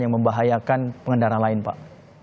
yang membahayakan pengendara lain pak